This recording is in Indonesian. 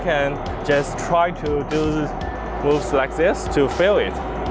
anda bisa coba menggunakan gerak seperti ini untuk mengisi